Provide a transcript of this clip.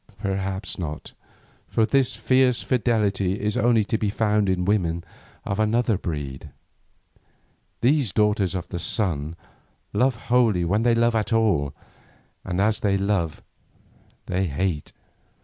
Perhaps not, for this fierce fidelity is only to be found in women of another breed. These daughters of the Sun love wholly when they love at all, and as they love they hate.